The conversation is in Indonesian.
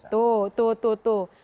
tuh tuh tuh tuh